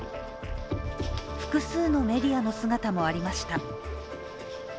複数のメディアの姿もありました。